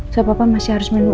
terus papa masih harus minum obat